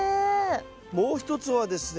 もう一つはですね